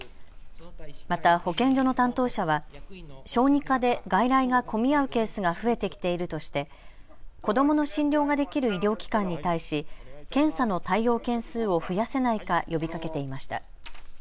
また保健所の担当者は小児科で外来が混み合うケースが増えてきているとして子どもの診療ができる医療機関に対し検査の対応件数を増やせないか呼びかけていました。